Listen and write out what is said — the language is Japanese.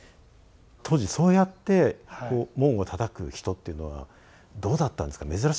当時そうやって門をたたく人っていうのはどうだったんですか珍しかったんじゃないですか？